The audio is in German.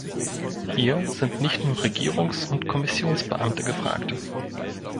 Hier sind nicht nur Regierungs- und Kommissionsbeamte gefragt.